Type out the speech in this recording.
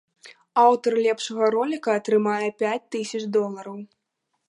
Аўтар лепшага роліка атрымае пяць тысяч долараў.